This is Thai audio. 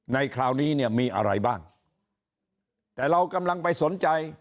คราวนี้เนี่ยมีอะไรบ้างแต่เรากำลังไปสนใจ